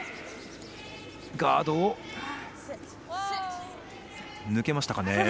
ガードを抜けましたかね。